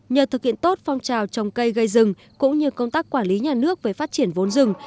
nhờ thực hiện tốt phong trào trồng cây gây rừng cũng như công tác quản lý nhà nước về phát triển vốn rừng